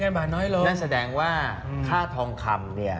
นั่นแสดงว่าค่าทองคำเนี่ย